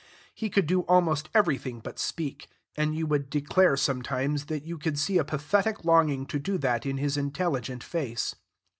He could do almost everything but speak; and you would declare sometimes that you could see a pathetic longing to do that in his intelligent face.